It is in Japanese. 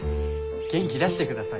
元気出してください。